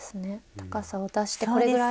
高さを出してこれぐらい？